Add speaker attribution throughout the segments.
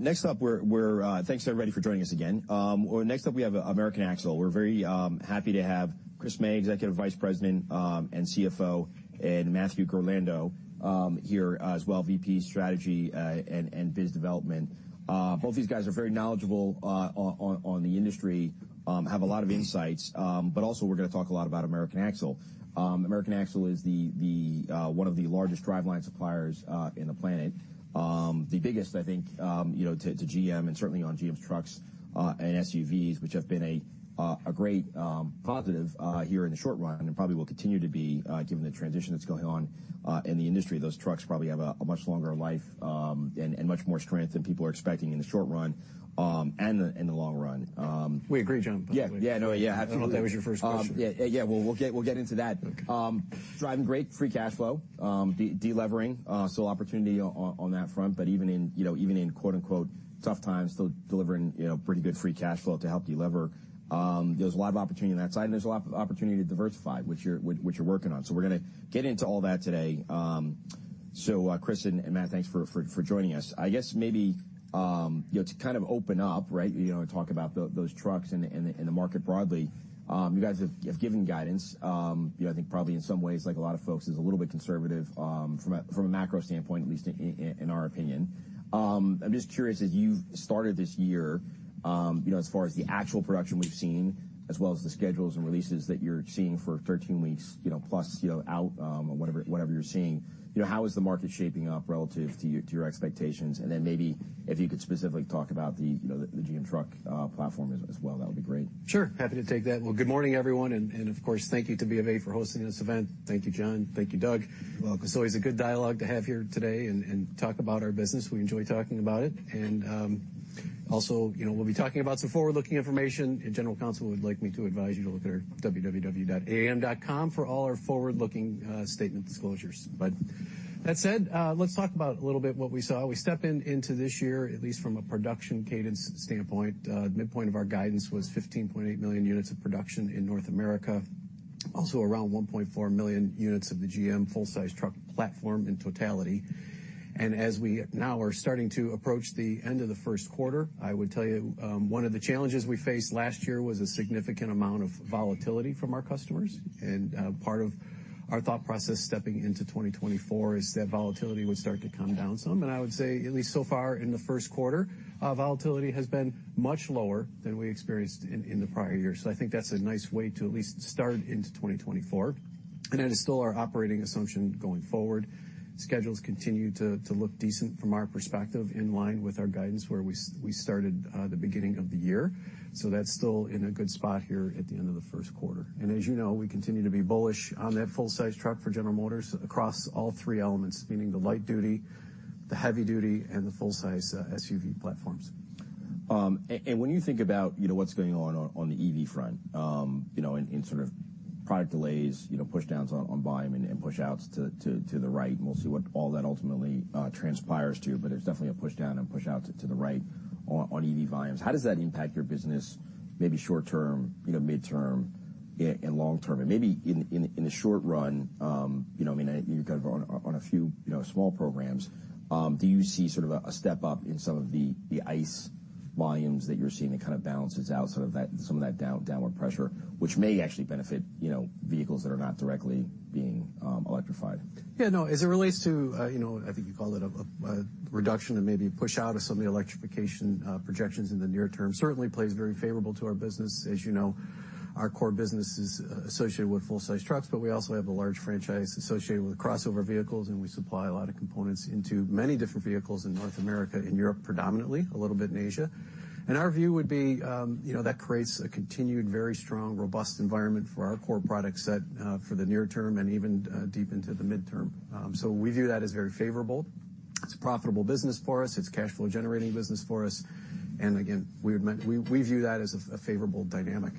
Speaker 1: Next up, thanks everybody for joining us again. Next up, we have American Axle. We're very happy to have Chris May, Executive Vice President and CFO, and Matthew Girlando here as well, VP Strategy and Biz Development. Both these guys are very knowledgeable on the industry, have a lot of insights, but also we're going to talk a lot about American Axle. American Axle is one of the largest driveline suppliers in the planet, the biggest, I think, to GM and certainly on GM's trucks and SUVs, which have been a great positive here in the short run and probably will continue to be given the transition that's going on in the industry. Those trucks probably have a much longer life and much more strength than people are expecting in the short run and the long run.
Speaker 2: We agree, John.
Speaker 1: Yeah. Yeah. No, yeah. Absolutely.
Speaker 2: I don't know if that was your first question.
Speaker 1: Yeah. Yeah. Yeah. We'll get into that. Driving great free cash flow, delevering, still opportunity on that front, but even in "tough times," still delivering pretty good free cash flow to help deliver. There's a lot of opportunity on that side, and there's a lot of opportunity to diversify, which you're working on. So we're going to get into all that today. So Chris and Matt, thanks for joining us. I guess maybe to kind of open up, right, and talk about those trucks and the market broadly, you guys have given guidance. I think probably in some ways, like a lot of folks, is a little bit conservative from a macro standpoint, at least in our opinion. I'm just curious, as you've started this year, as far as the actual production we've seen, as well as the schedules and releases that you're seeing for 13 weeks plus out, whatever you're seeing, how is the market shaping up relative to your expectations? And then maybe if you could specifically talk about the GM truck platform as well, that would be great.
Speaker 2: Sure. Happy to take that. Well, good morning, everyone. Of course, thank you to BofA for hosting this event. Thank you, John. Thank you, Doug.
Speaker 1: You're welcome.
Speaker 2: It's always a good dialogue to have here today and talk about our business. We enjoy talking about it. Also, we'll be talking about some forward-looking information. General Counsel would like me to advise you to look at our www.aam.com for all our forward-looking statement disclosures. But that said, let's talk about a little bit what we saw. We stepped into this year, at least from a production cadence standpoint, midpoint of our guidance was 15.8 million units of production in North America, also around 1.4 million units of the GM full-size truck platform in totality. As we now are starting to approach the end of the first quarter, I would tell you one of the challenges we faced last year was a significant amount of volatility from our customers. Part of our thought process stepping into 2024 is that volatility would start to come down some. I would say, at least so far in the first quarter, volatility has been much lower than we experienced in the prior year. I think that's a nice way to at least start into 2024. That is still our operating assumption going forward. Schedules continue to look decent from our perspective in line with our guidance where we started the beginning of the year. That's still in a good spot here at the end of the first quarter. As you know, we continue to be bullish on that full-size truck for General Motors across all three elements, meaning the light-duty, the heavy-duty, and the full-size SUV platforms.
Speaker 1: When you think about what's going on on the EV front, in sort of product delays, pushdowns on volume and pushouts to the right, and we'll see what all that ultimately transpires to, but it's definitely a pushdown and pushout to the right on EV volumes. How does that impact your business maybe short-term, mid-term, and long-term? Maybe in the short run, I mean, you're kind of on a few small programs. Do you see sort of a step up in some of the ICE volumes that you're seeing that kind of balances out some of that downward pressure, which may actually benefit vehicles that are not directly being electrified?
Speaker 2: Yeah. No. As it relates to, I think you called it, a reduction and maybe a pushout of some of the electrification projections in the near term, certainly plays very favorable to our business. As you know, our core business is associated with full-size trucks, but we also have a large franchise associated with crossover vehicles, and we supply a lot of components into many different vehicles in North America, in Europe predominantly, a little bit in Asia. And our view would be that creates a continued, very strong, robust environment for our core product set for the near term and even deep into the mid-term. So we view that as very favorable. It's a profitable business for us. It's cash flow-generating business for us. And again, we view that as a favorable dynamic.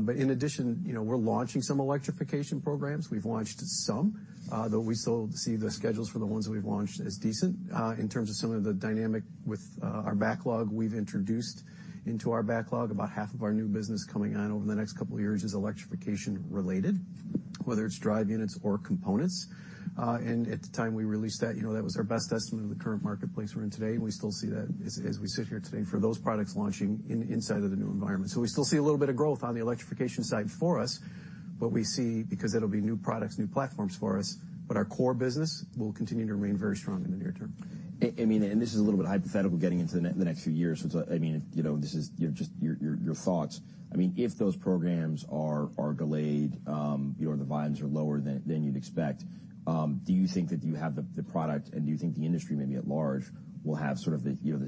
Speaker 2: But in addition, we're launching some electrification programs. We've launched some, though we still see the schedules for the ones that we've launched as decent in terms of some of the dynamic with our backlog we've introduced into our backlog. About half of our new business coming on over the next couple of years is electrification-related, whether it's drive units or components. And at the time we released that, that was our best estimate of the current marketplace we're in today. And we still see that as we sit here today for those products launching inside of the new environment. So we still see a little bit of growth on the electrification side for us, but we see because it'll be new products, new platforms for us, but our core business will continue to remain very strong in the near term.
Speaker 1: I mean, this is a little bit hypothetical getting into the next few years, so I mean, this is just your thoughts. I mean, if those programs are delayed or the volumes are lower than you'd expect, do you think that you have the product, and do you think the industry maybe at large will have sort of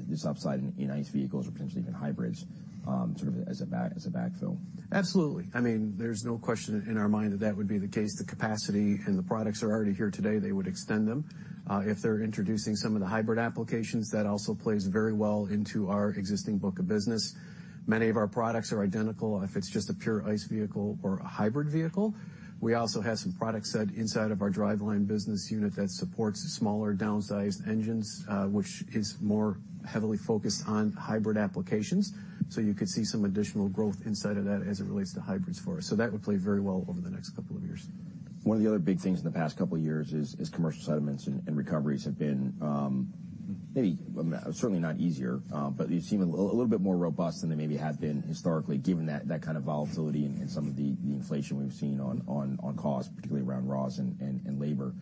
Speaker 1: this upside in ICE vehicles or potentially even hybrids sort of as a backfill?
Speaker 2: Absolutely. I mean, there's no question in our mind that that would be the case. The capacity and the products are already here today. They would extend them. If they're introducing some of the hybrid applications, that also plays very well into our existing book of business. Many of our products are identical if it's just a pure ICE vehicle or a hybrid vehicle. We also have some product set inside of our driveline business unit that supports smaller, downsized engines, which is more heavily focused on hybrid applications. So you could see some additional growth inside of that as it relates to hybrids for us. So that would play very well over the next couple of years.
Speaker 1: One of the other big things in the past couple of years is commercial settlements and recoveries have been maybe certainly not easier, but they seem a little bit more robust than they maybe have been historically given that kind of volatility and some of the inflation we've seen on costs, particularly around raws and labor.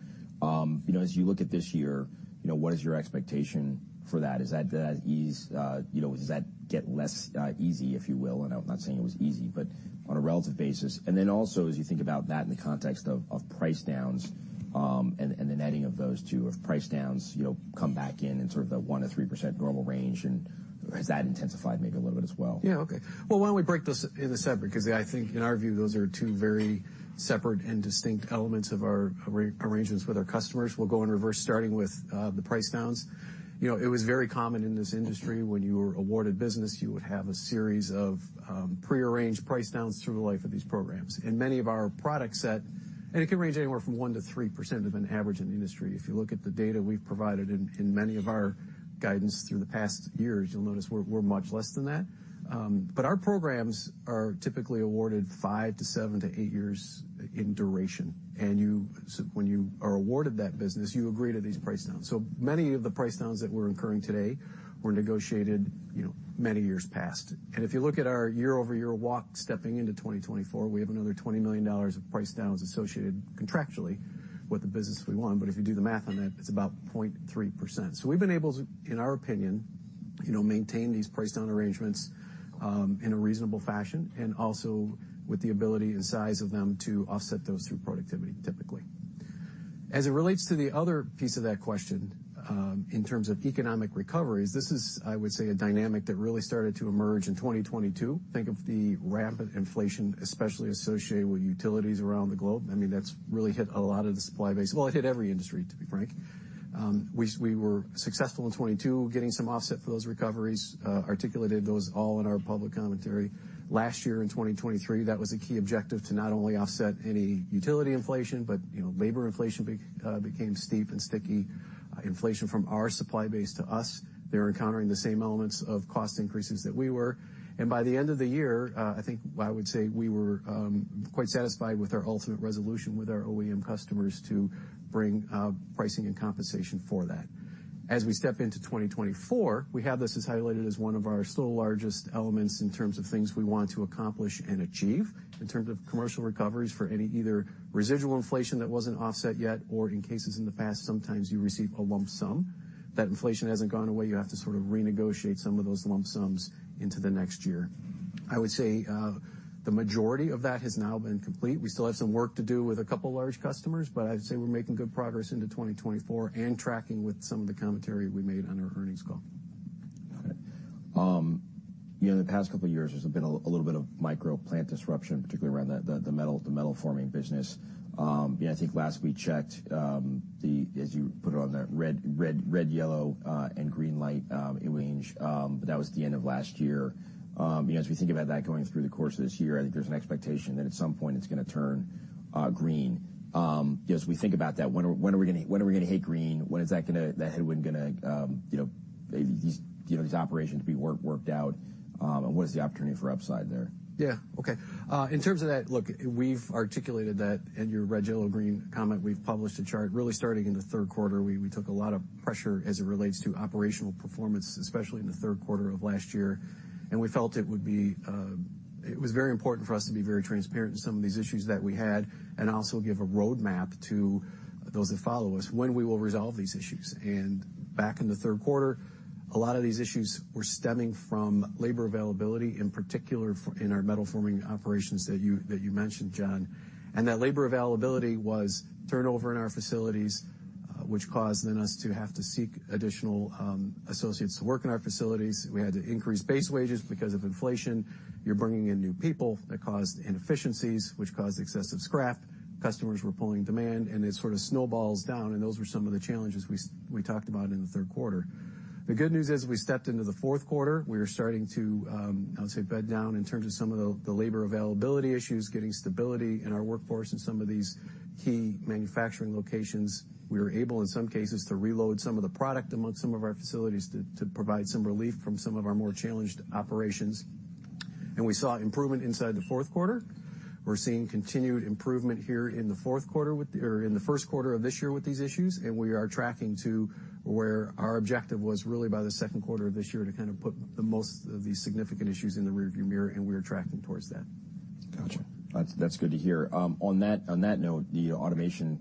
Speaker 1: As you look at this year, what is your expectation for that? Does that ease? Does that get less easy, if you will? And I'm not saying it was easy, but on a relative basis. And then also, as you think about that in the context of price downs and the netting of those two, if price downs come back in in sort of the 1%-3% normal range, has that intensified maybe a little bit as well?
Speaker 2: Yeah. Okay. Well, why don't we break this into segments? Because I think, in our view, those are two very separate and distinct elements of our arrangements with our customers. We'll go in reverse, starting with the price downs. It was very common in this industry when you were awarded business, you would have a series of prearranged price downs through the life of these programs. And many of our product set and it can range anywhere from 1%-3% of an average in the industry. If you look at the data we've provided in many of our guidance through the past years, you'll notice we're much less than that. But our programs are typically awarded five to seven to eight years in duration. And when you are awarded that business, you agree to these price downs. So many of the price downs that we're incurring today were negotiated many years past. And if you look at our year-over-year walk stepping into 2024, we have another $20 million of price downs associated contractually with the business we want. But if you do the math on that, it's about 0.3%. So we've been able, in our opinion, to maintain these price down arrangements in a reasonable fashion and also with the ability and size of them to offset those through productivity, typically. As it relates to the other piece of that question in terms of economic recoveries, this is, I would say, a dynamic that really started to emerge in 2022. Think of the rapid inflation, especially associated with utilities around the globe. I mean, that's really hit a lot of the supply base. Well, it hit every industry, to be frank. We were successful in 2022 getting some offset for those recoveries, articulated those all in our public commentary. Last year in 2023, that was a key objective to not only offset any utility inflation, but labor inflation became steep and sticky. Inflation from our supply base to us, they're encountering the same elements of cost increases that we were. And by the end of the year, I think I would say we were quite satisfied with our ultimate resolution with our OEM customers to bring pricing and compensation for that. As we step into 2024, we have this as highlighted as one of our still largest elements in terms of things we want to accomplish and achieve in terms of commercial recoveries for any either residual inflation that wasn't offset yet or in cases in the past, sometimes you receive a lump sum. That inflation hasn't gone away. You have to sort of renegotiate some of those lump sums into the next year. I would say the majority of that has now been complete. We still have some work to do with a couple of large customers, but I'd say we're making good progress into 2024 and tracking with some of the commentary we made on our earnings call.
Speaker 1: Okay. In the past couple of years, there's been a little bit of micro plant disruption, particularly around the metal-forming business. I think last we checked, as you put it on that red, yellow, and green light, it ranged, but that was the end of last year. As we think about that going through the course of this year, I think there's an expectation that at some point it's going to turn green. As we think about that, when are we going to when are we going to hit green? When is that headwind going to maybe these operations be worked out? And what is the opportunity for upside there?
Speaker 2: Yeah. Okay. In terms of that, look, we've articulated that and your red, yellow, green comment. We've published a chart. Really, starting in the third quarter, we took a lot of pressure as it relates to operational performance, especially in the third quarter of last year. And we felt it was very important for us to be very transparent in some of these issues that we had and also give a roadmap to those that follow us when we will resolve these issues. And back in the third quarter, a lot of these issues were stemming from labor availability, in particular in our metal-forming operations that you mentioned, John. And that labor availability was turnover in our facilities, which caused then us to have to seek additional associates to work in our facilities. We had to increase base wages because of inflation. You're bringing in new people that caused inefficiencies, which caused excessive scrap. Customers were pulling demand, and it sort of snowballs down. Those were some of the challenges we talked about in the third quarter. The good news is we stepped into the fourth quarter. We are starting to, I would say, bed down in terms of some of the labor availability issues, getting stability in our workforce in some of these key manufacturing locations. We were able, in some cases, to reload some of the product amongst some of our facilities to provide some relief from some of our more challenged operations. We saw improvement inside the fourth quarter. We're seeing continued improvement here in the fourth quarter or in the first quarter of this year with these issues. We are tracking to where our objective was really by the second quarter of this year to kind of put the most of these significant issues in the rearview mirror, and we are tracking towards that.
Speaker 1: Gotcha. That's good to hear. On that note, the automation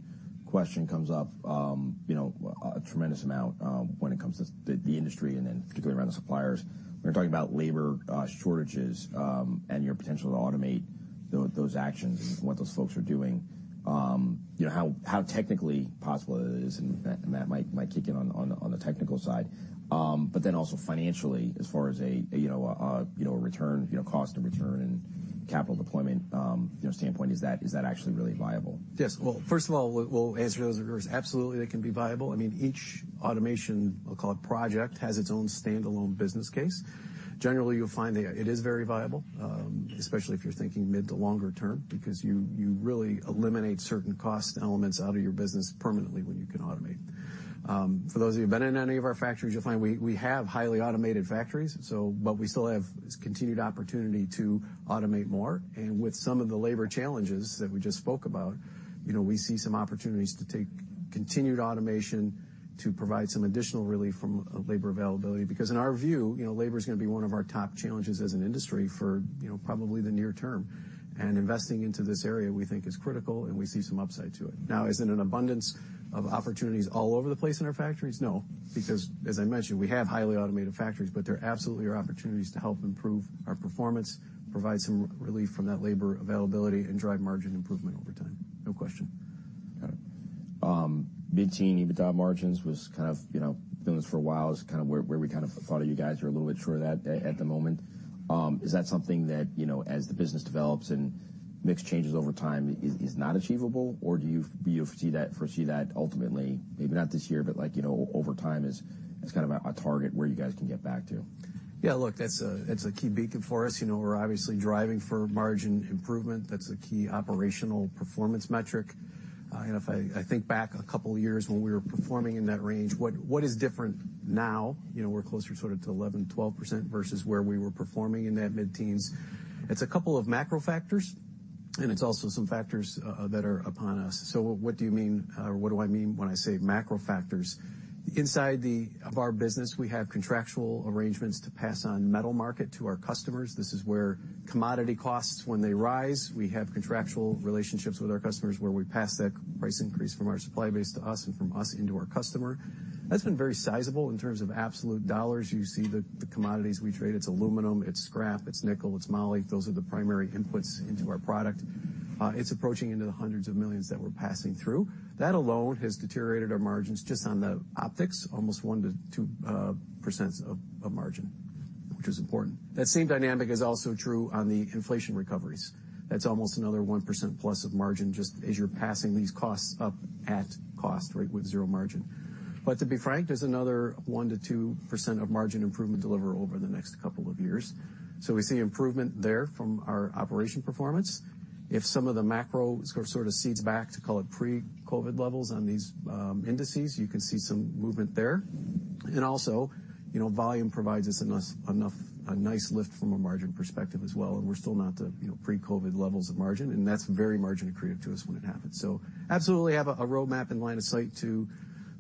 Speaker 1: question comes up a tremendous amount when it comes to the industry and then particularly around the suppliers. We're talking about labor shortages and your potential to automate those actions and what those folks are doing, how technically possible that is, and that might kick in on the technical side. But then also financially, as far as a return, cost of return and capital deployment standpoint, is that actually really viable?
Speaker 2: Yes. Well, first of all, we'll answer those in reverse. Absolutely, it can be viable. I mean, each automation, I'll call it project, has its own standalone business case. Generally, you'll find that it is very viable, especially if you're thinking mid to longer term because you really eliminate certain cost elements out of your business permanently when you can automate. For those of you who've been in any of our factories, you'll find we have highly automated factories, but we still have continued opportunity to automate more. And with some of the labor challenges that we just spoke about, we see some opportunities to take continued automation to provide some additional relief from labor availability because, in our view, labor is going to be one of our top challenges as an industry for probably the near term. Investing into this area, we think, is critical, and we see some upside to it. Now, is it an abundance of opportunities all over the place in our factories? No, because, as I mentioned, we have highly automated factories, but there absolutely are opportunities to help improve our performance, provide some relief from that labor availability, and drive margin improvement over time. No question.
Speaker 1: Got it. Mid-teen, even top margins was kind of doing this for a while. It's kind of where we kind of thought of you guys. You're a little bit short of that at the moment. Is that something that, as the business develops and makes changes over time, is not achievable, or do you foresee that ultimately, maybe not this year, but over time as kind of a target where you guys can get back to?
Speaker 2: Yeah. Look, that's a key beacon for us. We're obviously driving for margin improvement. That's a key operational performance metric. And if I think back a couple of years when we were performing in that range, what is different now? We're closer sort of to 11%-12% versus where we were performing in that mid-teens. It's a couple of macro factors, and it's also some factors that are upon us. So what do you mean or what do I mean when I say macro factors? Inside of our business, we have contractual arrangements to pass on metal market to our customers. This is where commodity costs, when they rise, we have contractual relationships with our customers where we pass that price increase from our supply base to us and from us into our customer. That's been very sizable in terms of absolute dollars. You see the commodities we trade. It's aluminum. It's scrap. It's nickel. It's moly. Those are the primary inputs into our product. It's approaching hundreds of millions that we're passing through. That alone has deteriorated our margins just on the optics, almost 1%-2% of margin, which is important. That same dynamic is also true on the inflation recoveries. That's almost another 1% plus of margin just as you're passing these costs up at cost, right, with zero margin. But to be frank, there's another 1%-2% of margin improvement delivered over the next couple of years. So we see improvement there from our operation performance. If some of the macro sort of recedes back to, call it, pre-COVID levels on these indices, you can see some movement there. And also, volume provides us enough a nice lift from a margin perspective as well. We're still not to pre-COVID levels of margin, and that's very margin accretive to us when it happens. Absolutely have a roadmap and line of sight to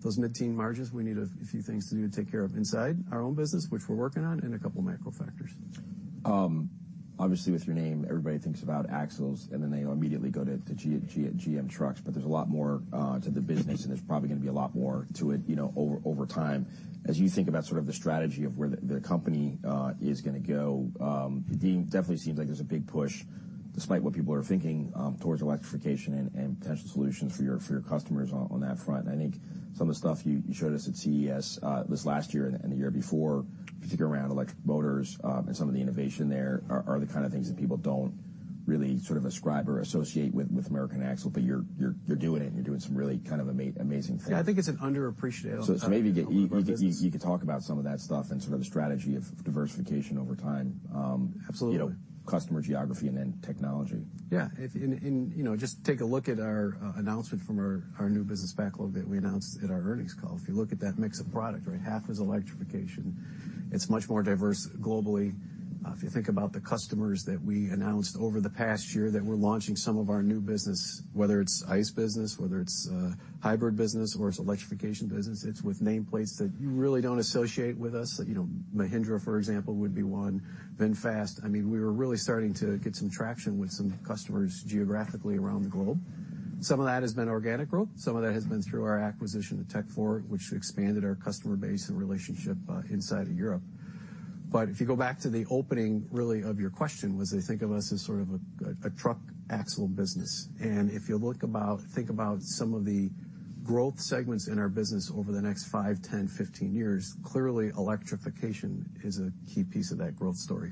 Speaker 2: those mid-teen margins. We need a few things to do to take care of inside our own business, which we're working on, and a couple of macro factors.
Speaker 1: Obviously, with your name, everybody thinks about Axles, and then they immediately go to GM trucks. But there's a lot more to the business, and there's probably going to be a lot more to it over time. As you think about sort of the strategy of where the company is going to go, it definitely seems like there's a big push, despite what people are thinking, towards electrification and potential solutions for your customers on that front. And I think some of the stuff you showed us at CES this last year and the year before, particularly around electric motors and some of the innovation there, are the kind of things that people don't really sort of ascribe or associate with American Axle, but you're doing it, and you're doing some really kind of amazing things.
Speaker 2: Yeah. I think it's an underappreciated.
Speaker 1: Maybe you could talk about some of that stuff and sort of the strategy of diversification over time, customer geography, and then technology.
Speaker 2: Yeah. And just take a look at our announcement from our new business backlog that we announced at our earnings call. If you look at that mix of product, right, half is electrification. It's much more diverse globally. If you think about the customers that we announced over the past year that we're launching some of our new business, whether it's ICE business, whether it's hybrid business, or it's electrification business, it's with nameplates that you really don't associate with us. Mahindra, for example, would be one. VinFast, I mean, we were really starting to get some traction with some customers geographically around the globe. Some of that has been organic growth. Some of that has been through our acquisition of Tekfor, which expanded our customer base and relationship inside of Europe. But if you go back to the opening, really, of your question was they think of us as sort of a truck axle business. And if you think about some of the growth segments in our business over the next five, 10, 15 years, clearly, electrification is a key piece of that growth story.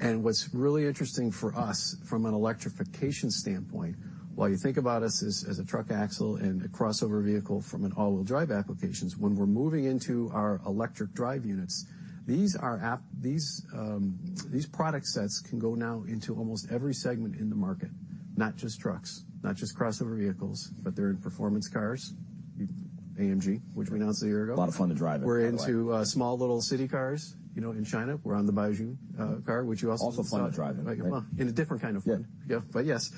Speaker 2: And what's really interesting for us from an electrification standpoint, while you think about us as a truck axle and a crossover vehicle from an all-wheel drive applications, when we're moving into our electric drive units, these product sets can go now into almost every segment in the market, not just trucks, not just crossover vehicles, but they're in performance cars, AMG, which we announced a year ago.
Speaker 1: A lot of fun to drive it.
Speaker 2: We're into small little city cars in China. We're on the Beijing car, which you also mentioned.
Speaker 1: Also fun to drive it.
Speaker 2: In a different kind of fun. But yes.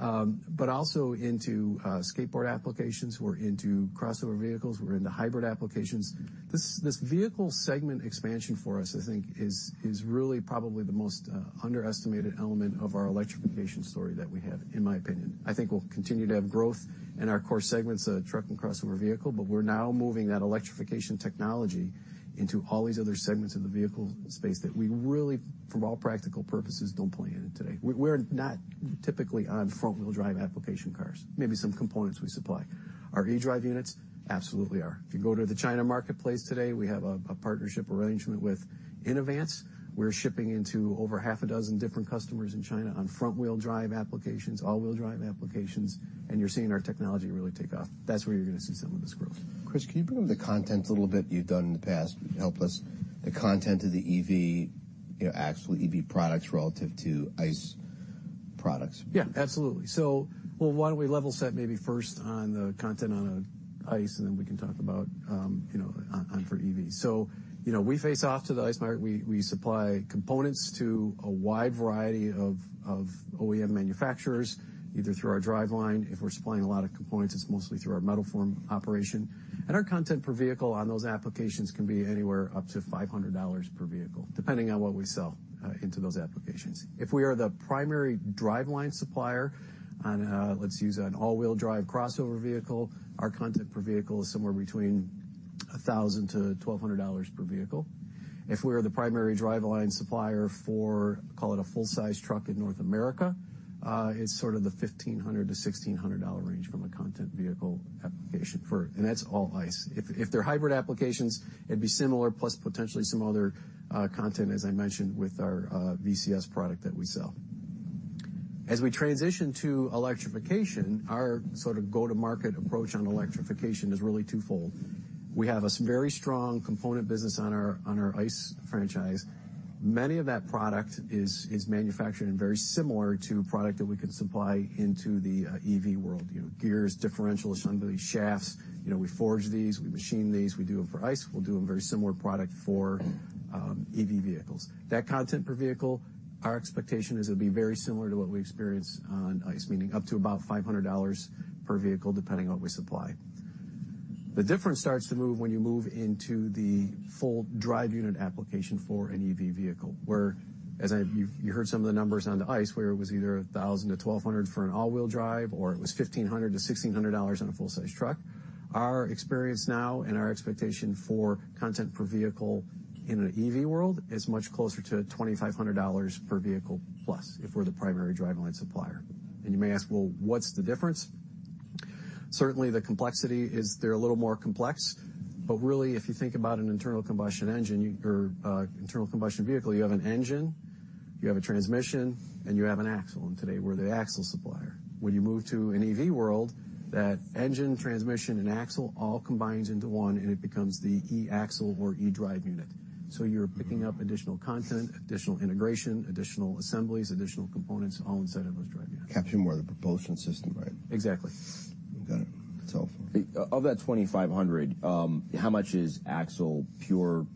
Speaker 2: But also into skateboard applications. We're into crossover vehicles. We're into hybrid applications. This vehicle segment expansion for us, I think, is really probably the most underestimated element of our electrification story that we have, in my opinion. I think we'll continue to have growth in our core segments, truck and crossover vehicle, but we're now moving that electrification technology into all these other segments of the vehicle space that we really, for all practical purposes, don't play in today. We're not typically on front-wheel drive application cars. Maybe some components we supply. Our eDrive units absolutely are. If you go to the China marketplace today, we have a partnership arrangement with Inovance. We're shipping into over half a dozen different customers in China on front-wheel drive applications, all-wheel drive applications, and you're seeing our technology really take off. That's where you're going to see some of this growth.
Speaker 1: Chris, can you bring up the content a little bit you've done in the past? Help us, the content of the Axle and EV products relative to ICE products?
Speaker 2: Yeah. Absolutely. So well, why don't we level set maybe first on the content on ICE, and then we can talk about on for EV. So we face off to the ICE market. We supply components to a wide variety of OEM manufacturers, either through our driveline. If we're supplying a lot of components, it's mostly through our metal-forming operation. And our content per vehicle on those applications can be anywhere up to $500 per vehicle, depending on what we sell into those applications. If we are the primary driveline supplier on, let's use, an all-wheel drive crossover vehicle, our content per vehicle is somewhere between $1,000-$1,200 per vehicle. If we are the primary driveline supplier for, call it, a full-size truck in North America, it's sort of the $1,500-$1,600 range from a content vehicle application, and that's all ICE. If they're hybrid applications, it'd be similar plus potentially some other content, as I mentioned, with our VCS product that we sell. As we transition to electrification, our sort of go-to-market approach on electrification is really twofold. We have a very strong component business on our ICE franchise. Many of that product is manufactured and very similar to product that we can supply into the EV world, gears, differentials, sun gears, shafts. We forge these. We machine these. We do them for ICE. We'll do a very similar product for EV vehicles. That content per vehicle, our expectation is it'll be very similar to what we experience on ICE, meaning up to about $500 per vehicle, depending on what we supply. The difference starts to move when you move into the full drive unit application for an EV vehicle, where, as you heard some of the numbers on the ICE, where it was either $1,000-$1,200 for an all-wheel drive or it was $1,500-$1,600 on a full-size truck. Our experience now and our expectation for content per vehicle in an EV world is much closer to $2,500 per vehicle plus if we're the primary driveline supplier. And you may ask, "Well, what's the difference?" Certainly, the complexity is they're a little more complex. But really, if you think about an internal combustion engine or internal combustion vehicle, you have an engine. You have a transmission, and you have an axle. And today, we're the axle supplier. When you move to an EV world, that engine, transmission, and axle all combines into one, and it becomes the e-axle or e-drive unit. So you're picking up additional content, additional integration, additional assemblies, additional components, all inside of those drive units.
Speaker 1: Capture more of the propulsion system, right?
Speaker 2: Exactly.
Speaker 1: Got it. That's helpful. Of that $2,500, how much is pure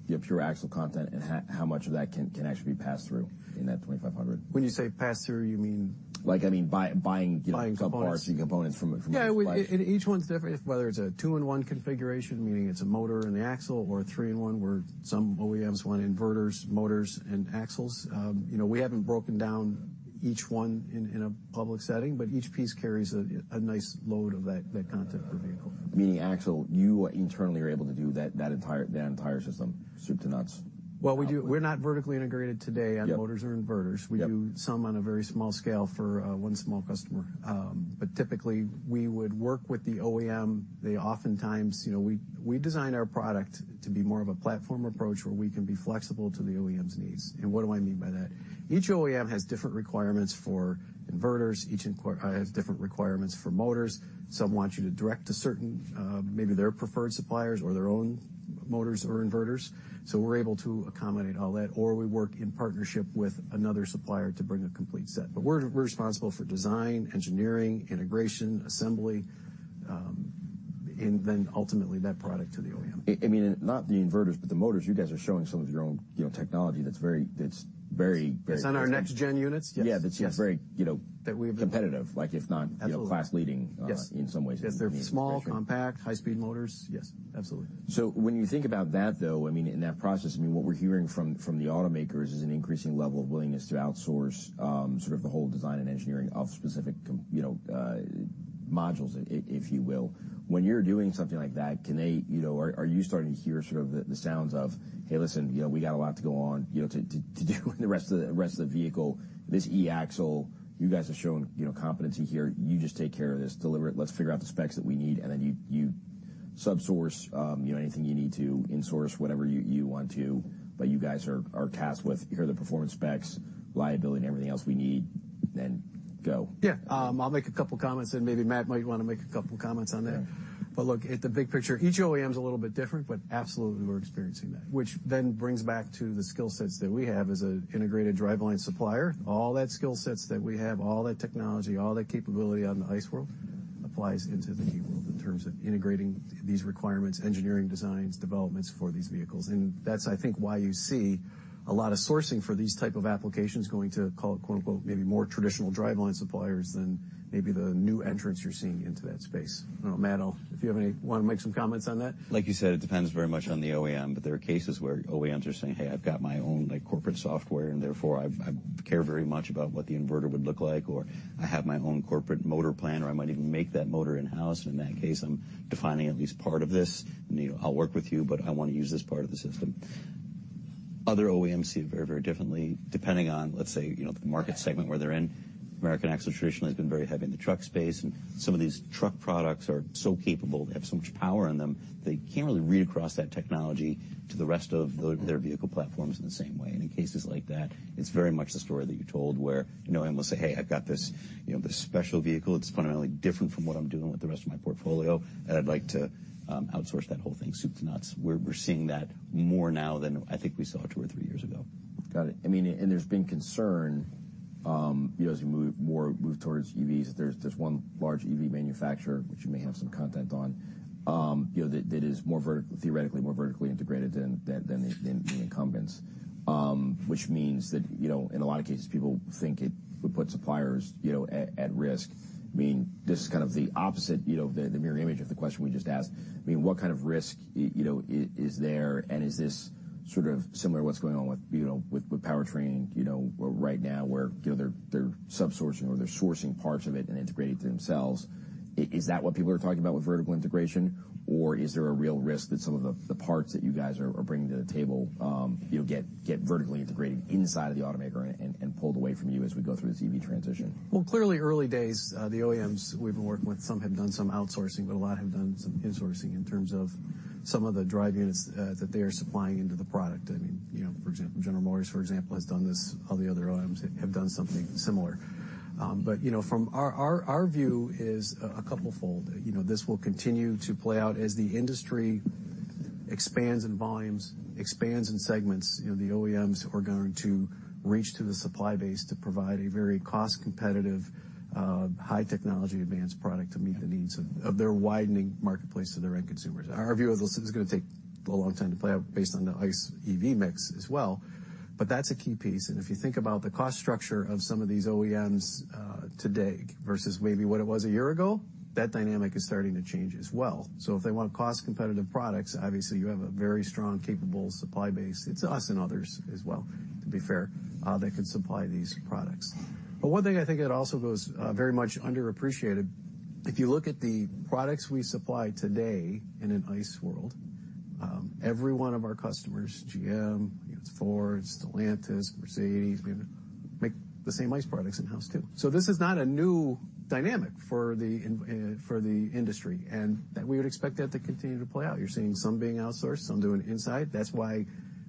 Speaker 1: axle content, and how much of that can actually be passed through in that $2,500?
Speaker 2: When you say pass through, you mean?
Speaker 1: I mean buying subparts and components from each.
Speaker 2: Yeah. Each one's different, whether it's a 2-in-1 configuration, meaning it's a motor and the axle, or a 3-in-1, where some OEMs want inverters, motors, and axles. We haven't broken down each one in a public setting, but each piece carries a nice load of that content per vehicle.
Speaker 1: Meaning e-axle, you internally are able to do that entire system, soup to nuts?
Speaker 2: Well, we're not vertically integrated today on motors or inverters. We do some on a very small scale for one small customer. But typically, we would work with the OEM. Oftentimes, we design our product to be more of a platform approach where we can be flexible to the OEM's needs. And what do I mean by that? Each OEM has different requirements for inverters. Each has different requirements for motors. Some want you to direct to certain maybe their preferred suppliers or their own motors or inverters. So we're able to accommodate all that, or we work in partnership with another supplier to bring a complete set. But we're responsible for design, engineering, integration, assembly, and then ultimately that product to the OEM.
Speaker 1: I mean, not the inverters, but the motors, you guys are showing some of your own technology that's very, very competitive.
Speaker 2: It's on our next-gen units. Yes.
Speaker 1: Yeah. That's very competitive, if not class-leading in some ways.
Speaker 2: Yes. If they're small, compact, high-speed motors, yes. Absolutely.
Speaker 1: So when you think about that, though, I mean, in that process, I mean, what we're hearing from the automakers is an increasing level of willingness to outsource sort of the whole design and engineering of specific modules, if you will. When you're doing something like that, are you starting to hear sort of the sounds of, "Hey, listen, we got a lot to go on to do in the rest of the vehicle. This e-axle, you guys have shown competency here. You just take care of this. Deliver it. Let's figure out the specs that we need." And then you outsource anything you need to, insource whatever you want to. But you guys are tasked with, "Here are the performance specs, liability, and everything else we need," then go.
Speaker 2: Yeah. I'll make a couple of comments, and maybe Matt might want to make a couple of comments on that. But look, at the big picture, each OEM's a little bit different, but absolutely, we're experiencing that, which then brings back to the skill sets that we have as an integrated driveline supplier. All that skill sets that we have, all that technology, all that capability on the ICE world applies into the EV world in terms of integrating these requirements, engineering designs, developments for these vehicles. And that's, I think, why you see a lot of sourcing for these type of applications going to, call it, quote-unquote, "maybe more traditional driveline suppliers" than maybe the new entrants you're seeing into that space. I don't know, Matt, if you want to make some comments on that.
Speaker 3: Like you said, it depends very much on the OEM. But there are cases where OEMs are saying, "Hey, I've got my own corporate software, and therefore, I care very much about what the inverter would look like," or, "I have my own corporate motor plan, or I might even make that motor in-house. And in that case, I'm defining at least part of this. And I'll work with you, but I want to use this part of the system." Other OEMs see it very, very differently depending on, let's say, the market segment where they're in. American Axle traditionally has been very heavy in the truck space, and some of these truck products are so capable, they have so much power in them, they can't really read across that technology to the rest of their vehicle platforms in the same way. And in cases like that, it's very much the story that you told where an OEM will say, "Hey, I've got this special vehicle. It's fundamentally different from what I'm doing with the rest of my portfolio, and I'd like to outsource that whole thing," soup to nuts. We're seeing that more now than I think we saw two or three years ago.
Speaker 1: Got it. I mean, and there's been concern as we move towards EVs that there's one large EV manufacturer, which you may have some content on, that is theoretically more vertically integrated than the incumbents, which means that in a lot of cases, people think it would put suppliers at risk. I mean, this is kind of the opposite, the mirror image of the question we just asked. I mean, what kind of risk is there, and is this sort of similar to what's going on with powertrain right now where they're outsourcing or they're sourcing parts of it and integrating it to themselves? Is that what people are talking about with vertical integration, or is there a real risk that some of the parts that you guys are bringing to the table get vertically integrated inside of the automaker and pulled away from you as we go through this EV transition?
Speaker 2: Well, clearly, early days, the OEMs we've been working with, some have done some outsourcing, but a lot have done some insourcing in terms of some of the drive units that they are supplying into the product. I mean, for example, General Motors, for example, has done this. All the other OEMs have done something similar. But from our view, it is a couple-fold. This will continue to play out as the industry expands in volumes, expands in segments. The OEMs are going to reach to the supply base to provide a very cost-competitive, high-technology, advanced product to meet the needs of their widening marketplace to their end consumers. Our view of this is going to take a long time to play out based on the ICE EV mix as well. But that's a key piece. If you think about the cost structure of some of these OEMs today versus maybe what it was a year ago, that dynamic is starting to change as well. If they want cost-competitive products, obviously, you have a very strong, capable supply base. It's us and others as well, to be fair, that can supply these products. One thing I think that also goes very much underappreciated, if you look at the products we supply today in an ICE world, every one of our customers, GM, it's Ford, it's Stellantis, Mercedes, make the same ICE products in-house too. This is not a new dynamic for the industry, and we would expect that to continue to play out. You're seeing some being outsourced, some doing inside. That's why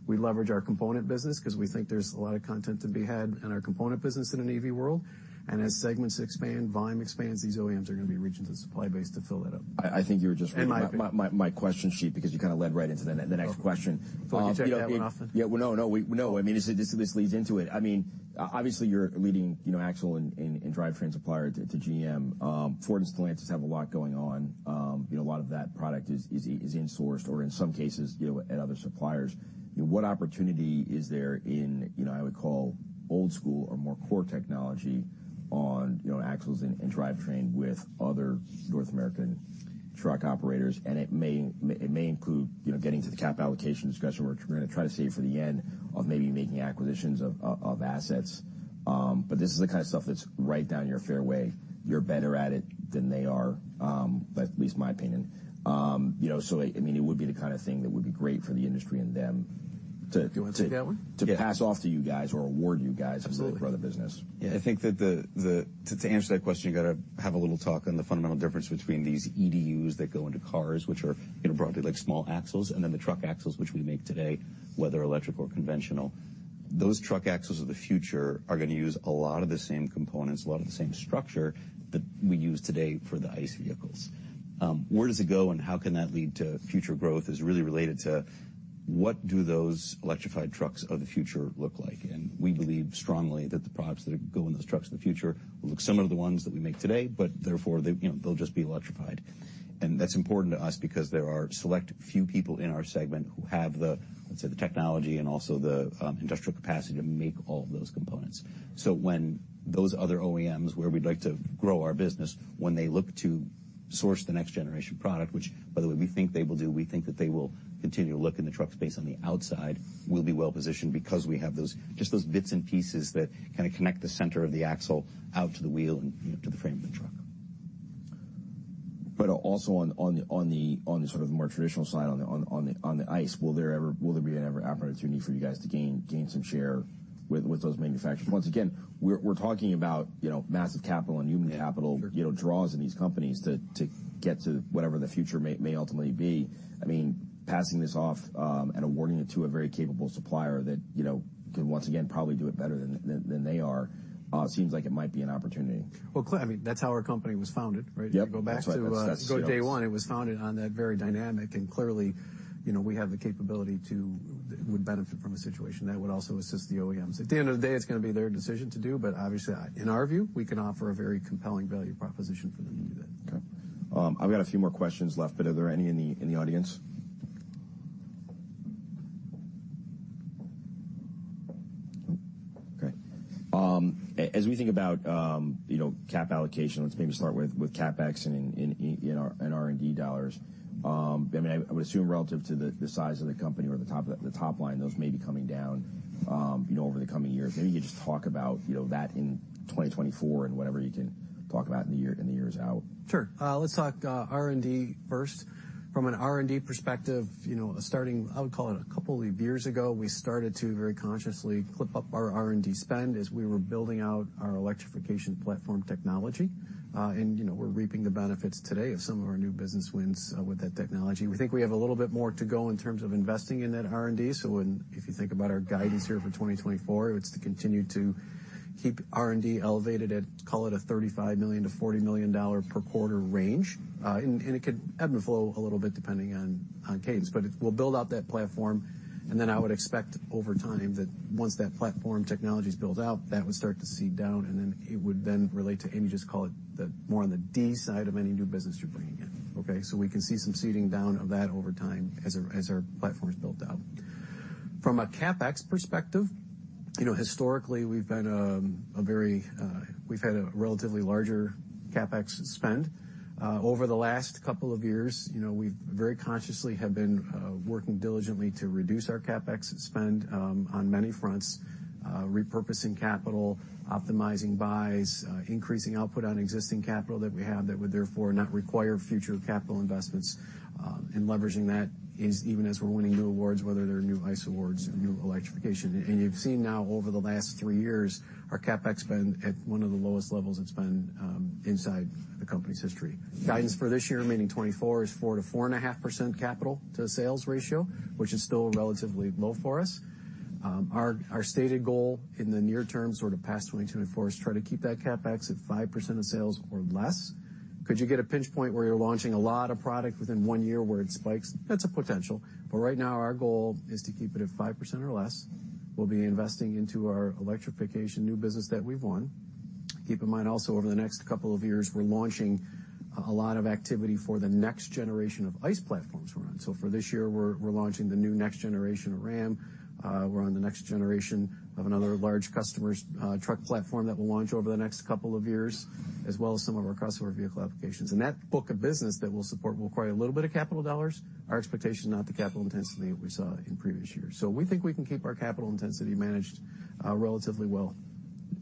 Speaker 2: we leverage our component business because we think there's a lot of content to be had. Our component business in an EV world. As segments expand, volume expands, these OEMs are going to be reaching to the supply base to fill that up.
Speaker 1: I think you were just reading my question sheet because you kind of led right into the next question.
Speaker 2: Oh, you checked that one off?
Speaker 1: Yeah. Well, no, no, no. I mean, this leads into it. I mean, obviously, you're a leading axle and drivetrain supplier to GM. Ford and Stellantis have a lot going on. A lot of that product is insourced or, in some cases, at other suppliers. What opportunity is there in, I would call, old-school or more core technology on axles and drivetrain with other North American truck operators? And it may include getting to the CapEx allocation discussion, where we're going to try to save for the end of maybe making acquisitions of assets. But this is the kind of stuff that's right down your fairway. You're better at it than they are, in my opinion. So I mean, it would be the kind of thing that would be great for the industry and them to.
Speaker 2: Do you want to take that one?
Speaker 1: To pass off to you guys or award you guys as a brother business.
Speaker 3: Absolutely. Yeah. I think that to answer that question, you got to have a little talk on the fundamental difference between these EDUs that go into cars, which are broadly small axles, and then the truck axles, which we make today, whether electric or conventional. Those truck axles of the future are going to use a lot of the same components, a lot of the same structure that we use today for the ICE vehicles. Where does it go, and how can that lead to future growth is really related to what do those electrified trucks of the future look like? And we believe strongly that the products that go in those trucks of the future will look similar to the ones that we make today, but therefore, they'll just be electrified. That's important to us because there are select few people in our segment who have, let's say, the technology and also the industrial capacity to make all of those components. When those other OEMs, where we'd like to grow our business, look to source the next-generation product, which, by the way, we think they will do, we think that they will continue to look in the truck space on the outside, we will be well-positioned because we have just those bits and pieces that kind of connect the center of the axle out to the wheel and to the frame of the truck.
Speaker 1: But also on the sort of more traditional side, on the ICE, will there be an ever-operative need for you guys to gain some share with those manufacturers? Once again, we're talking about massive capital and human capital draws in these companies to get to whatever the future may ultimately be. I mean, passing this off and awarding it to a very capable supplier that can, once again, probably do it better than they are, seems like it might be an opportunity.
Speaker 2: Well, I mean, that's how our company was founded, right? If you go back to day one, it was founded on that very dynamic. And clearly, we have the capability to would benefit from a situation that would also assist the OEMs. At the end of the day, it's going to be their decision to do. But obviously, in our view, we can offer a very compelling value proposition for them to do that.
Speaker 1: Okay. I've got a few more questions left, but are there any in the audience? Okay. As we think about CapEx allocation, let's maybe start with CapEx in R&D dollars. I mean, I would assume relative to the size of the company or the top line, those may be coming down over the coming years. Maybe you could just talk about that in 2024 and whatever you can talk about in the years out.
Speaker 2: Sure. Let's talk R&D first. From an R&D perspective, starting, I would call it, a couple of years ago, we started to very consciously clip up our R&D spend as we were building out our electrification platform technology. And we're reaping the benefits today of some of our new business wins with that technology. We think we have a little bit more to go in terms of investing in that R&D. So if you think about our guidance here for 2024, it's to continue to keep R&D elevated at, call it, a $35 million-$40 million per quarter range. And it could ebb and flow a little bit depending on cadence. But we'll build out that platform. And then I would expect over time that once that platform technology's built out, that would start to seed down. And then it would relate to, and you just call it more on the D side of any new business you're bringing in, okay? So we can see some seeding down of that over time as our platform's built out. From a CapEx perspective, historically, we've had a relatively larger CapEx spend. Over the last couple of years, we've very consciously have been working diligently to reduce our CapEx spend on many fronts, repurposing capital, optimizing buys, increasing output on existing capital that we have that would therefore not require future capital investments. And leveraging that is even as we're winning new awards, whether they're new ICE awards or new electrification. And you've seen now over the last three years, our CapEx spend at one of the lowest levels it's been inside the company's history. Guidance for this year, meaning 2024, is 4%-4.5% capital to sales ratio, which is still relatively low for us. Our stated goal in the near term, sort of past 2022 and 2024, is to try to keep that CapEx at 5% of sales or less. Could you get a pinch point where you're launching a lot of product within one year where it spikes? That's a potential. But right now, our goal is to keep it at 5% or less. We'll be investing into our electrification new business that we've won. Keep in mind also, over the next couple of years, we're launching a lot of activity for the next generation of ICE platforms we're on. So for this year, we're launching the new next generation of Ram. We're on the next generation of another large customer's truck platform that we'll launch over the next couple of years, as well as some of our crossover vehicle applications. That book of business that we'll support will require a little bit of capital dollars. Our expectation is not the capital intensity that we saw in previous years. We think we can keep our capital intensity managed relatively well.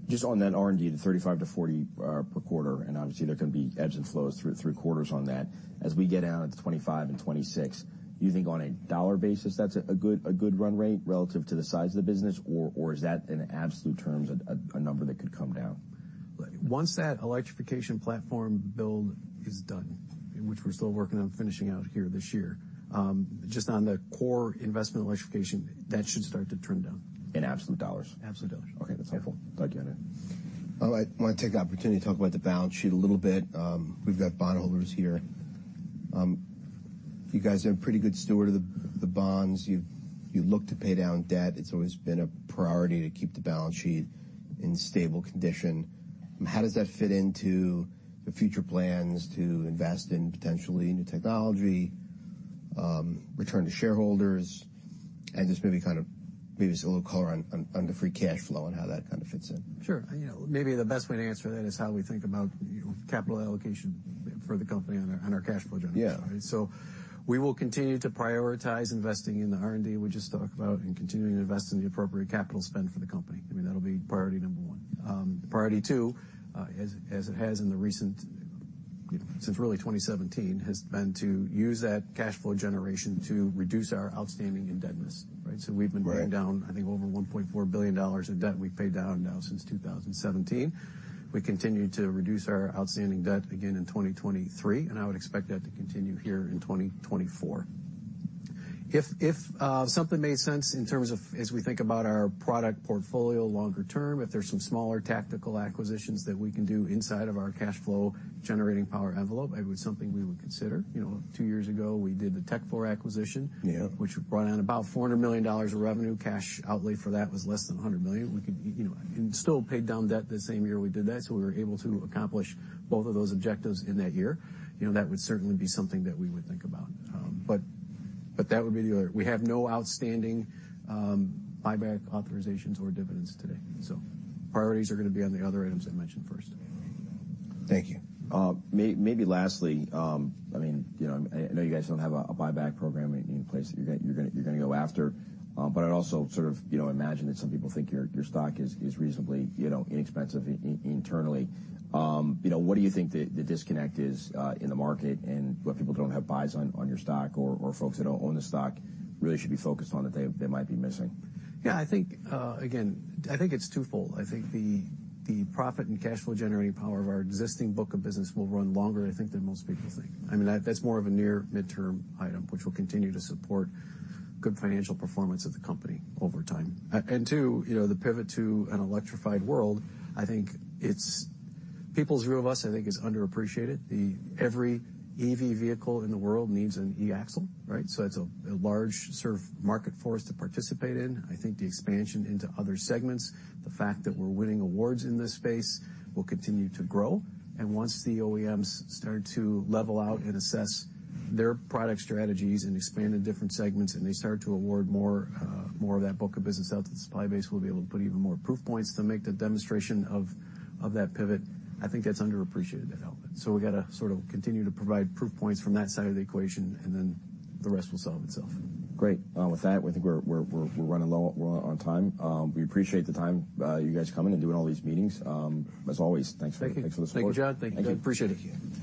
Speaker 1: Just on that R&D, the $35-$40 per quarter, and obviously, there are going to be ebbs and flows through quarters on that. As we get out at the 2025 and 2026, do you think on a dollar basis, that's a good run rate relative to the size of the business, or is that, in absolute terms, a number that could come down?
Speaker 2: Once that electrification platform build is done, which we're still working on finishing out here this year, just on the core investment electrification, that should start to turn down.
Speaker 1: In absolute dollars?
Speaker 2: Absolute dollars.
Speaker 1: Okay. That's helpful. Thank you, Andrew. I want to take the opportunity to talk about the balance sheet a little bit. We've got bondholders here. You guys have been a pretty good steward of the bonds. You look to pay down debt. It's always been a priority to keep the balance sheet in stable condition. How does that fit into the future plans to invest in potentially new technology, return to shareholders, and just maybe kind of maybe just a little color on the free cash flow and how that kind of fits in?
Speaker 2: Sure. Maybe the best way to answer that is how we think about capital allocation for the company on our cash flow generation, right? So we will continue to prioritize investing in the R&D we just talked about and continuing to invest in the appropriate capital spend for the company. I mean, that'll be priority number one. Priority two, as it has in the recent since really 2017, has been to use that cash flow generation to reduce our outstanding indebtedness, right? So we've been paying down, I think, over $1.4 billion in debt we've paid down now since 2017. We continue to reduce our outstanding debt again in 2023, and I would expect that to continue here in 2024. If something made sense in terms of as we think about our product portfolio longer term, if there's some smaller tactical acquisitions that we can do inside of our cash flow-generating power envelope, it would be something we would consider. Two years ago, we did the Tekfor acquisition, which brought in about $400 million of revenue. Cash outlay for that was less than $100 million. We could still pay down debt the same year we did that. So we were able to accomplish both of those objectives in that year. That would certainly be something that we would think about. But that would be the other we have no outstanding buyback authorizations or dividends today. So priorities are going to be on the other items I mentioned first.
Speaker 1: Thank you. Maybe lastly, I mean, I know you guys don't have a buyback program in place that you're going to go after, but I'd also sort of imagine that some people think your stock is reasonably inexpensive internally. What do you think the disconnect is in the market and what people don't have buys on your stock or folks that don't own the stock really should be focused on that they might be missing?
Speaker 2: Yeah. Again, I think it's twofold. I think the profit and cash flow-generating power of our existing book of business will run longer, I think, than most people think. I mean, that's more of a near midterm item, which will continue to support good financial performance of the company over time. And two, the pivot to an electrified world, I think it's people's view of us, I think, is underappreciated. Every EV vehicle in the world needs an e-axle, right? So it's a large market for us to participate in. I think the expansion into other segments, the fact that we're winning awards in this space, will continue to grow. Once the OEMs start to level out and assess their product strategies and expand in different segments, and they start to award more of that book of business out to the supply base, we'll be able to put even more proof points to make the demonstration of that pivot. I think that's underappreciated development. We got to sort of continue to provide proof points from that side of the equation, and then the rest will solve itself.
Speaker 1: Great. With that, I think we're running low. We're on time. We appreciate the time, you guys coming and doing all these meetings. As always, thanks for the support.
Speaker 2: Thank you. Thank you, John. Thank you.
Speaker 1: Thank you.
Speaker 2: Appreciate it.